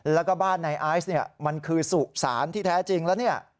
แล้วก็บ้านในไอศ์มันคือสูบสารที่แท้จริงแล้ว